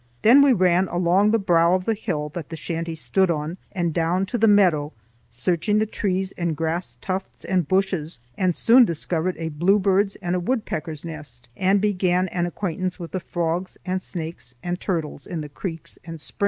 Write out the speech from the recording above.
Then we ran along the brow of the hill that the shanty stood on, and down to the meadow, searching the trees and grass tufts and bushes, and soon discovered a bluebird's and a woodpecker's nest, and began an acquaintance with the frogs and snakes and turtles in the creeks and springs.